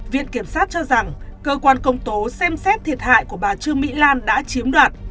viện kiểm sát cho rằng cơ quan công tố xem xét thiệt hại của bà trương mỹ lan đã chiếm đoạt